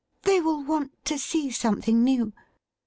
They will want to see something new.'